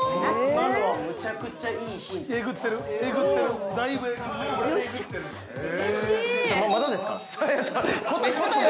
◆今のはむちゃくちゃいいヒントです。